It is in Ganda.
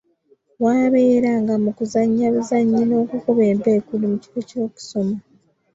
Wabeeranga mu kuzannya buzannyi n'okukuba embeekuulo mu kifo ky'okusoma.